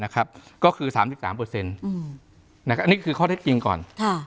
ก็คือ๓๓อันนี้คือข้อเท็จจริงก่อน